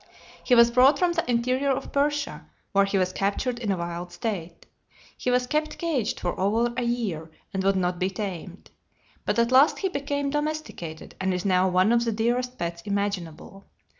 He was brought from the interior of Persia, where he was captured in a wild state. He was kept caged for over a year, and would not be tamed; but at last he became domesticated, and is now one of the dearest pets imaginable.